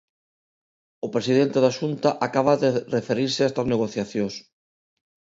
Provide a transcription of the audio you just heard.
O presidente da Xunta acaba de referirse a estas negociacións.